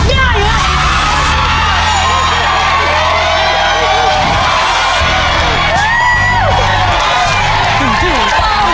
เค้าจะอยู่นั่น